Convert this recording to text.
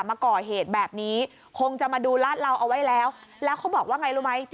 มาก่อเหตุแบบนี้คงจะมาดูลาดเหลาเอาไว้แล้วแล้วเขาบอกว่าไงรู้ไหม